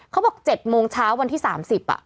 เขาบอก๗โมงเช้าวันที่๓๐อ่ะ